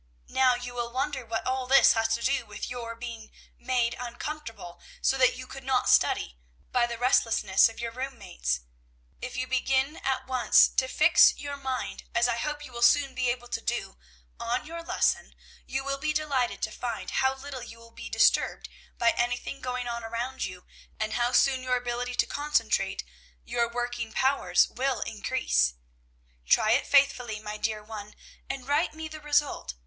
Now you will wonder what all this has to do with your being made uncomfortable, so that you could not study, by the restlessness of your room mates. If you begin at once to fix your mind, as I hope you will soon be able to do, on your lesson, you will be delighted to find how little you will be disturbed by anything going on around you, and how soon your ability to concentrate your working powers will increase. "Try it faithfully, my dear one, and write me the result.